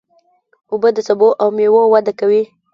اوبه د سبو او مېوو وده کوي.